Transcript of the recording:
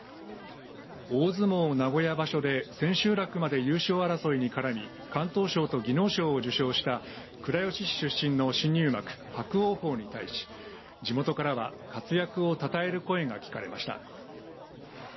大相撲名古屋場所で千秋楽まで優勝争いに絡み敢闘賞と技能賞受賞した倉吉市出身の新入幕伯桜鵬に対し地元からは活躍をたたえる声が聞かれました。